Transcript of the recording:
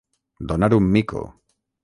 Donar un mico.